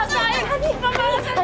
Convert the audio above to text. tahu tahu tahu tahu